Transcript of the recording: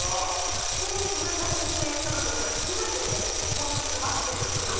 口で自分が説明した部分がすべてもうここに詰まってるっていう。